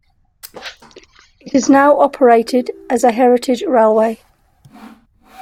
It is now operated as a heritage railway.